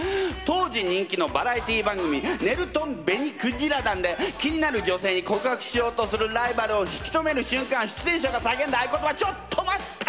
当時人気のバラエティー番組「ねるとん紅鯨団」で気になる女性に告白しようとするライバルを引きとめる瞬間出演者がさけんだ合いことば「ちょっと待った！」。